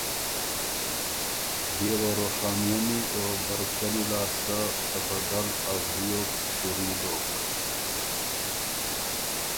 بيې وه روشانئنی او برکئنی لاسته ته بدل ا وریوک شُوري دوک۔